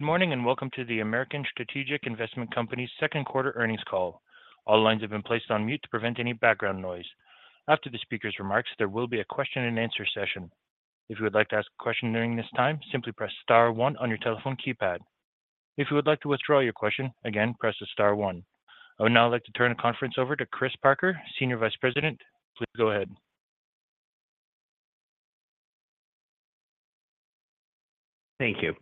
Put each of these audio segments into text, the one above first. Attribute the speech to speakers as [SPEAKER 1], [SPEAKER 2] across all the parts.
[SPEAKER 1] Good morning, welcome to the American Strategic Investment Co.'s second quarter earnings call. All lines have been placed on mute to prevent any background noise. After the speaker's remarks, there will be a question and answer session. If you would like to ask a question during this time, simply press star one on your telephone keypad. If you would like to withdraw your question, again, press star one. I would now like to turn the conference over to Chris Parker, Senior Vice President. Please go ahead.
[SPEAKER 2] Thank you.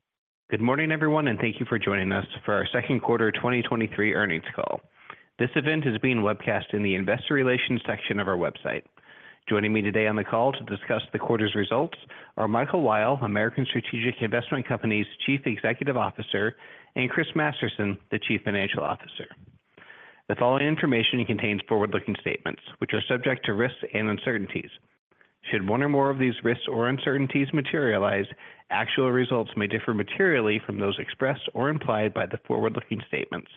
[SPEAKER 2] Good morning, everyone, and thank you for joining us for our 2nd quarter 2023 earnings call. This event is being webcast in the Investor Relations section of our website. Joining me today on the call to discuss the quarter's results are Michael Weil, American Strategic Investment Co.'s Chief Executive Officer, and Chris Masterson, the Chief Financial Officer. The following information contains forward-looking statements which are subject to risks and uncertainties. Should one or more of these risks or uncertainties materialize, actual results may differ materially from those expressed or implied by the forward-looking statements.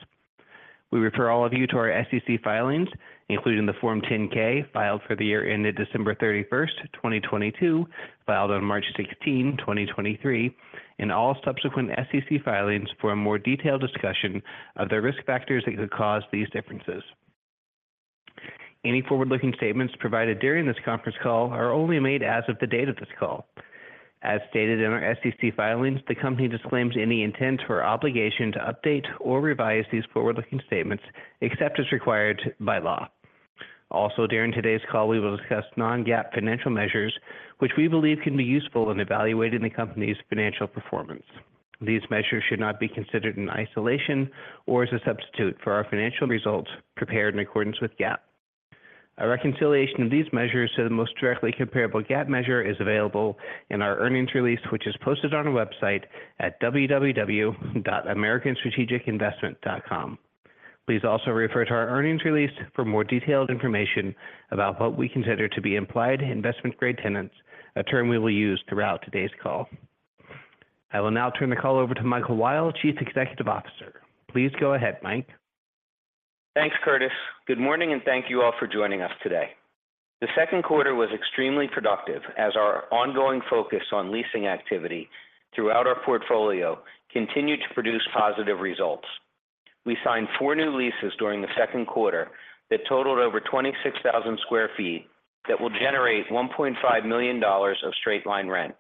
[SPEAKER 2] We refer all of you to our SEC filings, including the Form 10-K filed for the year ended December 31, 2022, filed on March 16, 2023, and all subsequent SEC filings for a more detailed discussion of the risk factors that could cause these differences. Any forward-looking statements provided during this conference call are only made as of the date of this call. As stated in our SEC filings, the company disclaims any intent or obligation to update or revise these forward-looking statements, except as required by law. During today's call, we will discuss non-GAAP financial measures, which we believe can be useful in evaluating the company's financial performance. These measures should not be considered in isolation or as a substitute for our financial results prepared in accordance with GAAP. A reconciliation of these measures to the most directly comparable GAAP measure is available in our earnings release, which is posted on our website at www.americanstrategicinvestment.com. Please also refer to our earnings release for more detailed information about what we consider to be implied investment-grade tenants, a term we will use throughout today's call. I will now turn the call over to Michael Weil, Chief Executive Officer. Please go ahead, Mike.
[SPEAKER 3] Thanks, Chris. Good morning, thank you all for joining us today. The second quarter was extremely productive as our ongoing focus on leasing activity throughout our portfolio continued to produce positive results. We signed four new leases during the second quarter that totaled over 26,000 sq ft, that will generate $1.5 million of straight-line rent.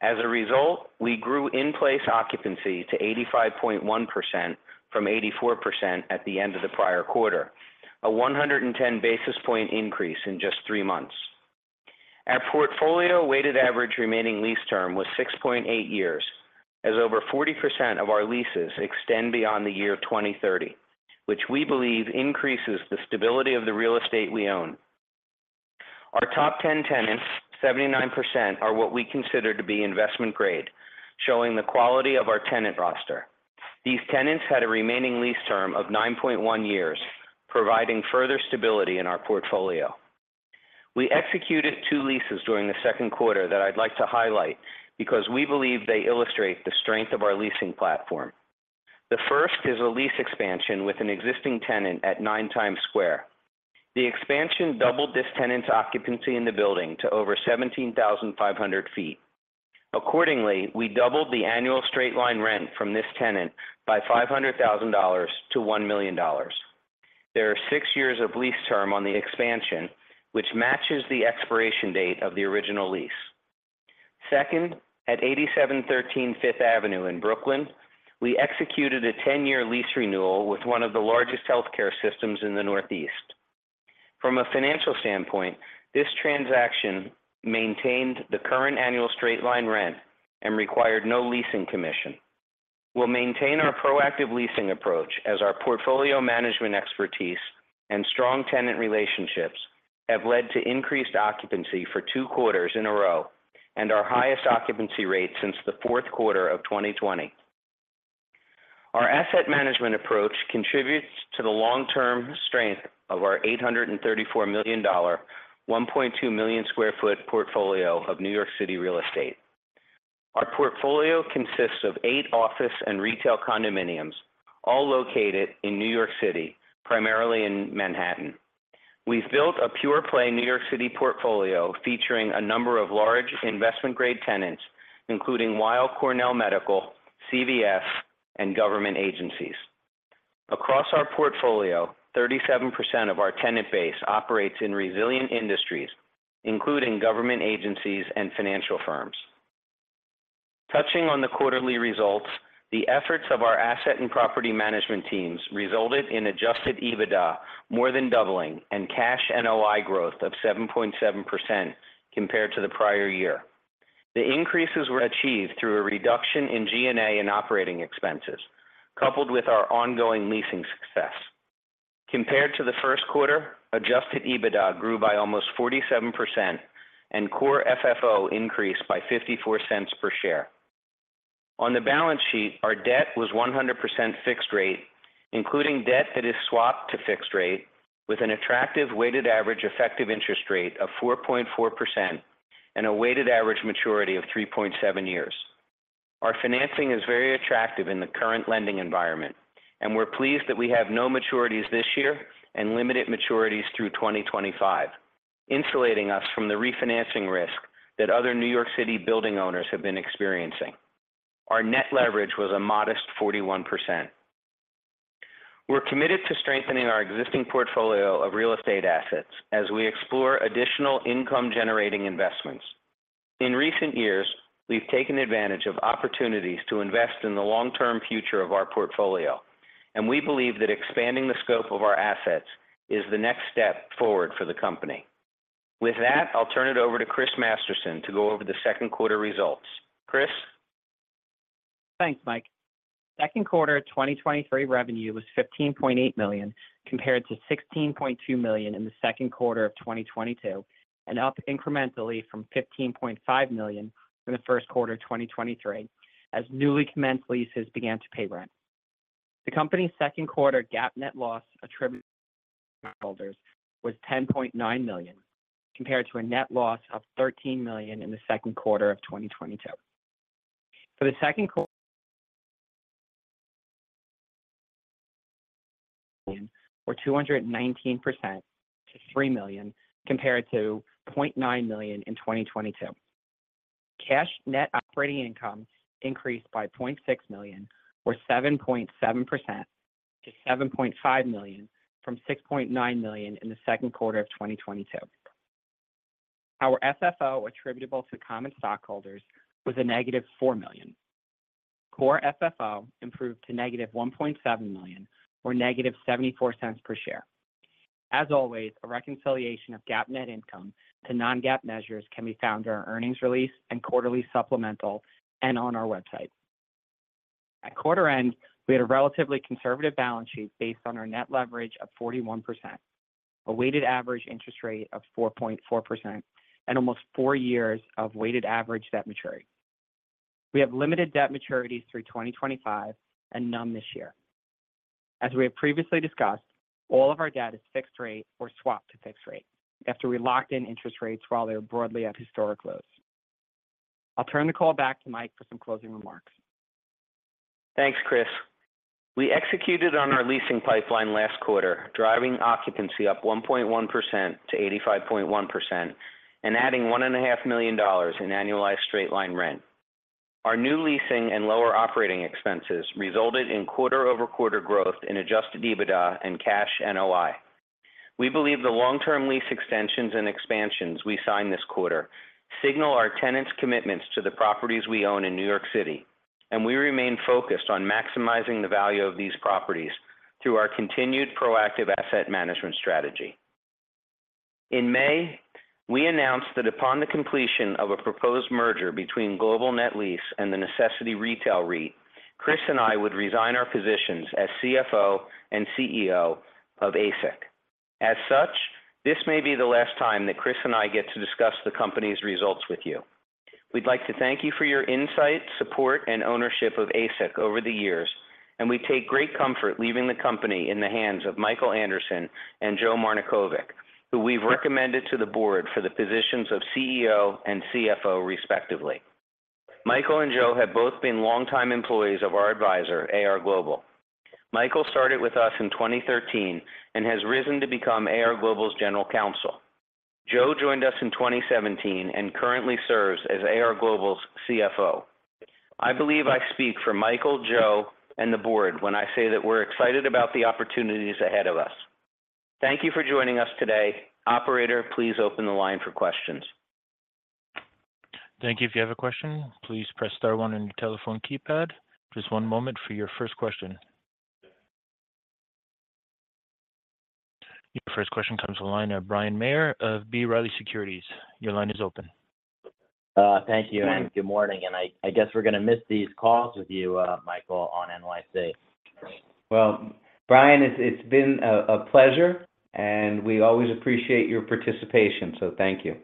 [SPEAKER 3] As a result, we grew in-place occupancy to 85.1% from 84% at the end of the prior quarter, a 110 basis point increase in just three months. Our portfolio weighted average remaining lease term was 6.8 years, as over 40% of our leases extend beyond the year of 2030, which we believe increases the stability of the real estate we own. Our top 10 tenants, 79% are what we consider to be investment-grade, showing the quality of our tenant roster. These tenants had a remaining lease term of 9.1 years, providing further stability in our portfolio. We executed 2 leases during the second quarter that I'd like to highlight because we believe they illustrate the strength of our leasing platform. The first is a lease expansion with an existing tenant at Nine Times Square. The expansion doubled this tenant's occupancy in the building to over 17,500 sq ft. Accordingly, we doubled the annual straight-line rent from this tenant by $500,000 to $1 million. There are 6 years of lease term on the expansion, which matches the expiration date of the original lease. Second, at 8713 Fifth Avenue in Brooklyn, we executed a 10-year lease renewal with one of the largest healthcare systems in the Northeast. From a financial standpoint, this transaction maintained the current annual straight-line rent and required no leasing commission. We'll maintain our proactive leasing approach as our portfolio management expertise and strong tenant relationships have led to increased occupancy for 2 quarters in a row and our highest occupancy rate since the fourth quarter of 2020. Our asset management approach contributes to the long-term strength of our $834 million, 1.2 million sq ft portfolio of New York City real estate. Our portfolio consists of 8 office and retail condominiums, all located in New York City, primarily in Manhattan. We've built a pure play New York City portfolio, featuring a number of large investment-grade tenants, including Weill Cornell Medicine, CVS, and government agencies. Across our portfolio, 37% of our tenant base operates in resilient industries, including government agencies and financial firms. Touching on the quarterly results, the efforts of our asset and property management teams resulted in Adjusted EBITDA, more than doubling, and Cash NOI growth of 7.7% compared to the prior year. The increases were achieved through a reduction in G&A and operating expenses, coupled with our ongoing leasing success. Compared to the first quarter, Adjusted EBITDA grew by almost 47%, and Core FFO increased by $0.54 per share. On the balance sheet, our debt was 100% fixed rate, including debt that is swapped to fixed rate, with an attractive weighted average effective interest rate of 4.4% and a weighted average maturity of 3.7 years. Our financing is very attractive in the current lending environment, and we're pleased that we have no maturities this year and limited maturities through 2025, insulating us from the refinancing risk that other New York City building owners have been experiencing. Our net leverage was a modest 41%. We're committed to strengthening our existing portfolio of real estate assets as we explore additional income-generating investments. In recent years, we've taken advantage of opportunities to invest in the long-term future of our portfolio, and we believe that expanding the scope of our assets is the next step forward for the company. With that, I'll turn it over to Chris Masterson to go over the second quarter results. Chris?
[SPEAKER 4] Thanks, Mike. Second quarter 2023 revenue was $15.8 million, compared to $16.2 million in the second quarter of 2022, up incrementally from $15.5 million in the first quarter of 2023, as newly commenced leases began to pay rent. The company's second quarter GAAP net loss attributable to shareholders was $10.9 million, compared to a net loss of $13 million in the second quarter of 2022. For the second quarter- or 219% to $3 million, compared to $0.9 million in 2022. Cash net operating income increased by $0.6 million, or 7.7% to $7.5 million, from $6.9 million in the second quarter of 2022. Our FFO attributable to common stockholders was a negative $4 million. Core FFO improved to -$1.7 million, or -$0.74 per share. As always, a reconciliation of GAAP net income to non-GAAP measures can be found in our earnings release and quarterly supplemental and on our website. At quarter end, we had a relatively conservative balance sheet based on our net leverage of 41%, a weighted average interest rate of 4.4%, and almost four years of weighted average debt maturity. We have limited debt maturities through 2025 and none this year. As we have previously discussed, all of our debt is fixed rate or swapped to fixed rate after we locked in interest rates while they were broadly at historic lows. I'll turn the call back to Mike for some closing remarks.
[SPEAKER 3] Thanks, Chris. We executed on our leasing pipeline last quarter, driving occupancy up 1.1% to 85.1% and adding $1.5 million in annualized straight-line rent. Our new leasing and lower operating expenses resulted in quarter-over-quarter growth in Adjusted EBITDA and Cash NOI. We believe the long-term lease extensions and expansions we signed this quarter signal our tenants' commitments to the properties we own in New York City, and we remain focused on maximizing the value of these properties through our continued proactive asset management strategy. In May, we announced that upon the completion of a proposed merger between Global Net Lease and The Necessity Retail REIT, Chris and I would resign our positions as CFO and CEO of ASIC. As such, this may be the last time that Chris and I get to discuss the company's results with you. We'd like to thank you for your insight, support, and ownership of ASIC over the years, and we take great comfort leaving the company in the hands of Michael Anderson and Joe Marnikovic, who we've recommended to the board for the positions of CEO and CFO, respectively. Michael and Joe have both been longtime employees of our advisor, AR Global. Michael started with us in 2013 and has risen to become AR Global's General Counsel. Joe joined us in 2017 and currently serves as AR Global's CFO. I believe I speak for Michael, Joe, and the board when I say that we're excited about the opportunities ahead of us. Thank you for joining us today. Operator, please open the line for questions.
[SPEAKER 1] Thank you. If you have a question, please press star one on your telephone keypad. Just one moment for your first question. Your first question comes from the line of Bryan Maher of B. Riley Securities. Your line is open.
[SPEAKER 5] Thank you, good morning, and I, I guess we're going to miss these calls with you, Michael, on NYC.
[SPEAKER 3] Well, Bryan, it's been a pleasure, and we always appreciate your participation, so thank you.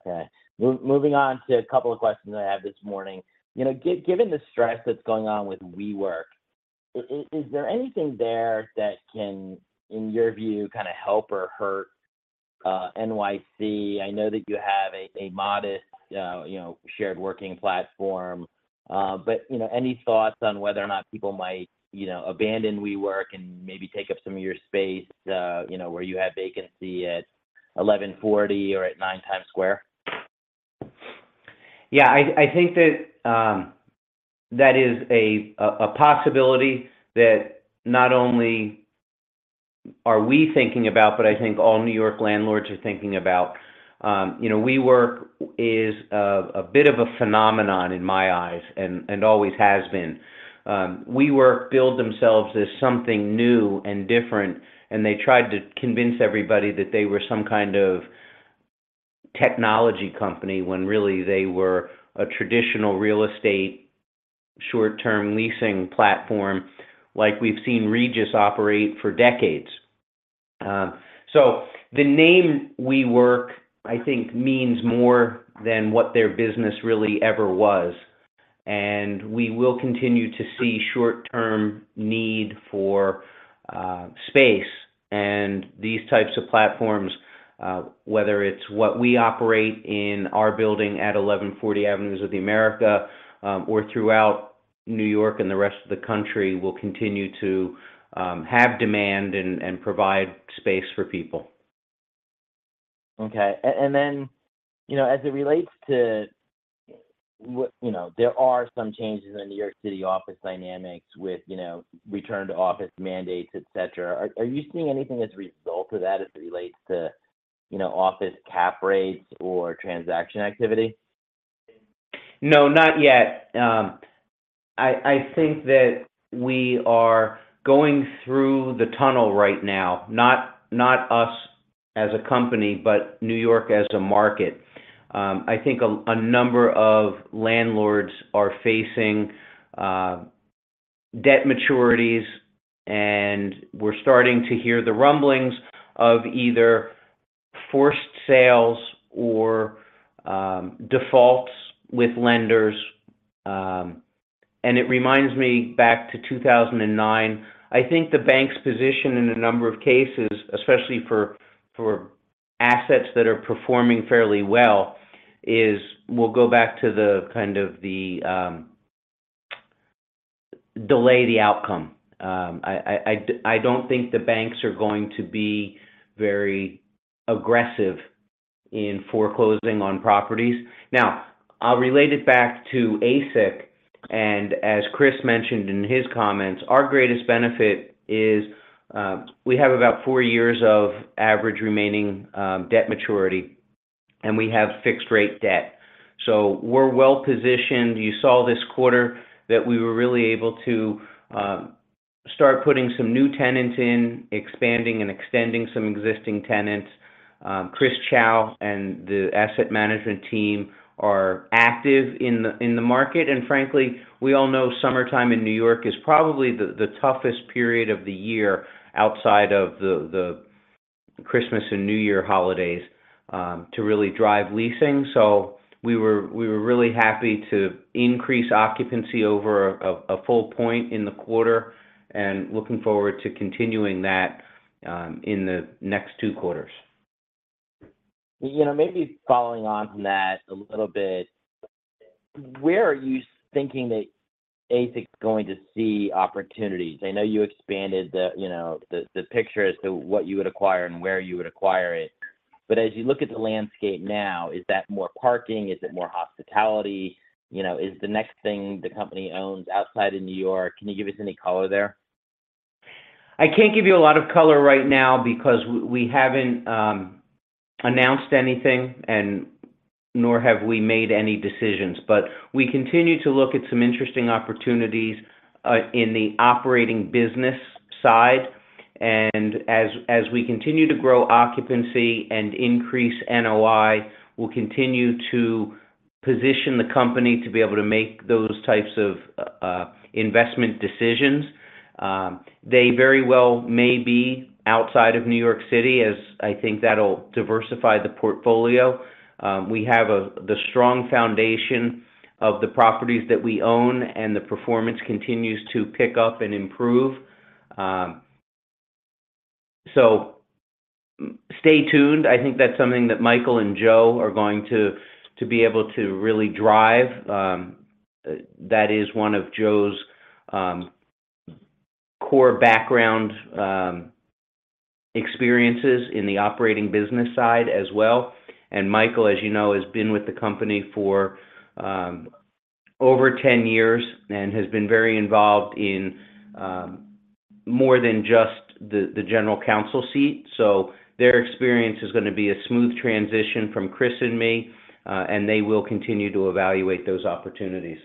[SPEAKER 5] Okay. Moving on to a couple of questions I have this morning. You know, given the stress that's going on with WeWork, is there anything there that can, in your view, kind of help or hurt, NYC? I know that you have a, a modest, you know, shared working platform, but, you know, any thoughts on whether or not people might, you know, abandon WeWork and maybe take up some of your space, you know, where you have vacancy at 1140 or at Nine Times Square?
[SPEAKER 3] Yeah, I, I think that that is a, a, a possibility that not only are we thinking about, but I think all New York landlords are thinking about. you know, WeWork is a bit of a phenomenon in my eyes and, and always has been. WeWork billed themselves as something new and different, and they tried to convince everybody that they were some kind of technology company, when really they were a traditional real estate short-term leasing platform like we've seen Regus operate for decades. so the name WeWork, I think, means more than what their business really ever was, and we will continue to see short-term need for space. These types of platforms, whether it's what we operate in our building at 1140 Avenue of the Americas, or throughout-... New York and the rest of the country will continue to have demand and provide space for people.
[SPEAKER 5] Okay. Then, you know, as it relates to what, you know, there are some changes in the New York City office dynamics with, you know, return-to-office mandates, et cetera. Are you seeing anything as a result of that as it relates to, you know, office cap rates or transaction activity?
[SPEAKER 3] No, not yet. I, I think that we are going through the tunnel right now, not, not us as a company, but New York as a market. I think a, a number of landlords are facing debt maturities, and we're starting to hear the rumblings of either forced sales or defaults with lenders. It reminds me back to 2009. I think the bank's position in a number of cases, especially for, for assets that are performing fairly well, is we'll go back to the, kind of, the delay the outcome. I, I, I, I don't think the banks are going to be very aggressive in foreclosing on properties. I'll relate it back to ASIC. As Chris mentioned in his comments, our greatest benefit is, we have about 4 years of average remaining debt maturity, and we have fixed rate debt. We're well-positioned. You saw this quarter that we were really able to start putting some new tenants in, expanding and extending some existing tenants. Chris Chao and the asset management team are active in the market, and frankly, we all know summertime in New York is probably the toughest period of the year outside of the Christmas and New Year holidays, to really drive leasing. We were really happy to increase occupancy over 1 full point in the quarter, and looking forward to continuing that in the next 2 quarters.
[SPEAKER 5] You know, maybe following on from that a little bit, where are you thinking that ASIC is going to see opportunities? I know you expanded the, you know, the, the picture as to what you would acquire and where you would acquire it, but as you look at the landscape now, is that more parking? Is it more hospitality? You know, is the next thing the company owns outside of New York? Can you give us any color there?
[SPEAKER 3] I can't give you a lot of color right now because we haven't announced anything, nor have we made any decisions. We continue to look at some interesting opportunities in the operating business side, as we continue to grow occupancy and increase NOI, we'll continue to position the company to be able to make those types of investment decisions. They very well may be outside of New York City, as I think that'll diversify the portfolio. We have the strong foundation of the properties that we own, the performance continues to pick up and improve. Stay tuned. I think that's something that Michael and Joe are going to be able to really drive. That is one of Joe's core background experiences in the operating business side as well. Michael, as you know, has been with the company for over 10 years and has been very involved in, more than just the general counsel seat. Their experience is gonna be a smooth transition from Chris and me, and they will continue to evaluate those opportunities.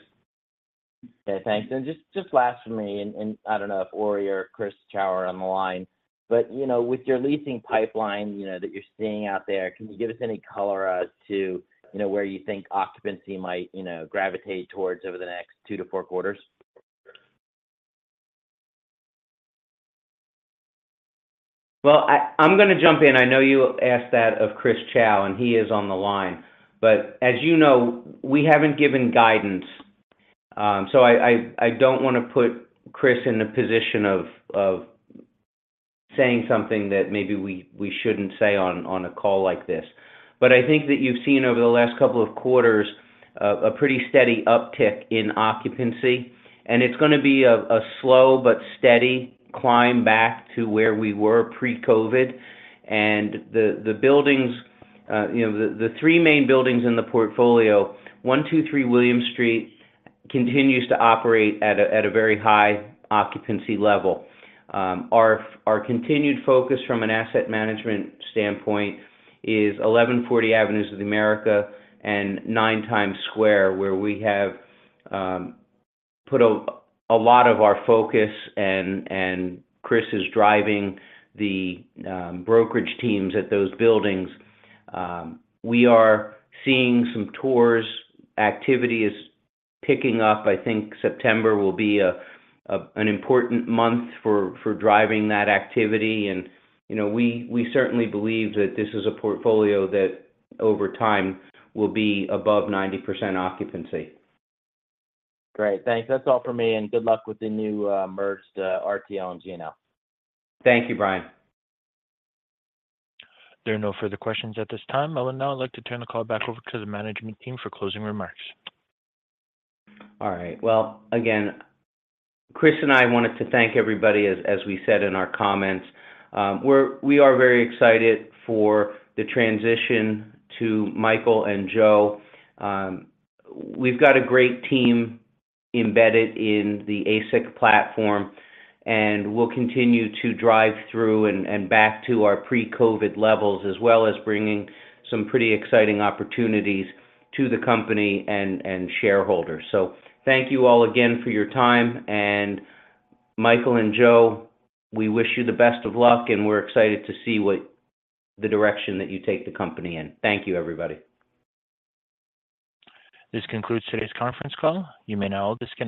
[SPEAKER 5] Okay, thanks. Just, just last for me, and, and I don't know if Ori or Chris Chao are on the line, but, you know, with your leasing pipeline, you know, that you're seeing out there, can you give us any color as to, you know, where you think occupancy might, you know, gravitate towards over the next 2-4 quarters?
[SPEAKER 3] Well, I, I'm gonna jump in. I know you asked that of Chris Chao, and he is on the line, but as you know, we haven't given guidance. I, I, I don't want to put Chris in the position of, of saying something that maybe we, we shouldn't say on, on a call like this. I think that you've seen over the last couple of quarters, a pretty steady uptick in occupancy, and it's gonna be a, a slow but steady climb back to where we were pre-COVID. The, the buildings, you know, the, the three main buildings in the portfolio, 123 William Street, continues to operate at a, at a very high occupancy level. Our, our continued focus from an asset management standpoint is 1140 Avenue of the Americas and Nine Times Square, where we have put a, a lot of our focus, and, and Chris is driving the brokerage teams at those buildings. We are seeing some tours. Activity is picking up. I think September will be a, a, an important month for, for driving that activity. You know, we, we certainly believe that this is a portfolio that, over time, will be above 90% occupancy.
[SPEAKER 5] Great. Thanks. That's all for me, and good luck with the new, merged, RTL and GNL.
[SPEAKER 3] Thank you, Bryan.
[SPEAKER 1] There are no further questions at this time. I would now like to turn the call back over to the management team for closing remarks.
[SPEAKER 3] All right. Well, again, Chris and I wanted to thank everybody, as, as we said in our comments. We are very excited for the transition to Michael and Joe. We've got a great team embedded in the ASIC platform, and we'll continue to drive through and back to our pre-COVID levels, as well as bringing some pretty exciting opportunities to the company and shareholders. Thank you all again for your time, and Michael and Joe, we wish you the best of luck, and we're excited to see what the direction that you take the company in. Thank you, everybody.
[SPEAKER 1] This concludes today's conference call. You may now disconnect.